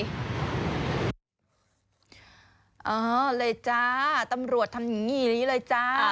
เอาเลยจ้าตำรวจทำอย่างงี้เลยจ้า